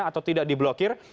atau tidak di blokir